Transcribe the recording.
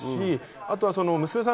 あと娘さん